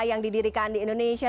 yang didirikan di indonesia